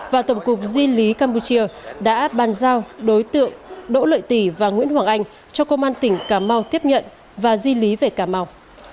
và tổng cục di lý campuchia đã bàn giao đối tượng đỗ lợi tỷ và nguyễn hoàng anh cho công an tỉnh cà mau tiếp nhận và di lý về cà mau